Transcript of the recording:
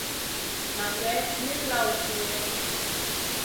Nan gai min lawn suiʼa.